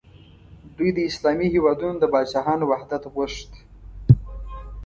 دوی د اسلامي هیوادونو د پاچاهانو وحدت غوښت.